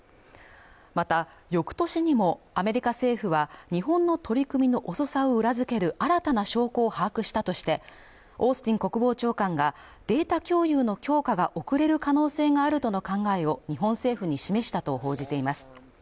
また翌年にもアメリカ政府は日本の取り組みの遅さを裏付ける新たな証拠を把握したとしてオースティン国防長官がデータ共有の強化が遅れる可能性があるとの考えを日本政府に示したと報じています